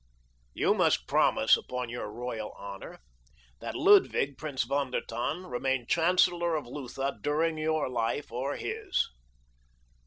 "You must promise upon your royal honor that Ludwig, Prince von der Tann, remain chancellor of Lutha during your life or his."